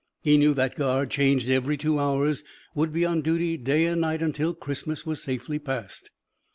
He knew that guard, changed every two hours, would be on duty day and night until Christmas was safely passed.